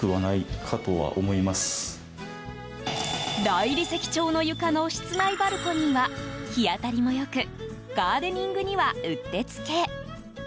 大理石調の床の室内バルコニーは日当たりも良くガーデニングにはうってつけ。